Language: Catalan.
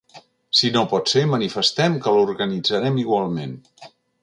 Si no pot ser, manifestem que l’organitzarem igualment.